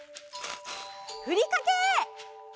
ふりかけ！